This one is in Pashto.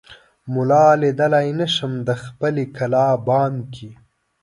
ملا ليدای نه شم دخپلې کلا بام کې